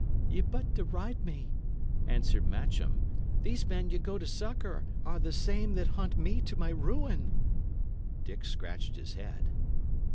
"Ye but deride me," answered Matcham. "These men ye go to succour are the I same that hunt me to my ruin." Dick scratched his head.